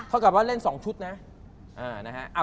กับว่าเล่น๒ชุดนะ